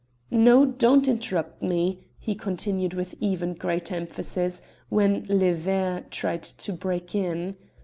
"No, don't interrupt me," he continued with even greater emphasis, when "Le Ver" tried to break in.